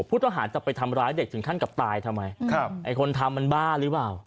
ผู้ต้องหาจะไปทำร้ายเด็กถึงขั้นกับตายทำไมครับไอ้คนทำมันบ้าหรือเปล่า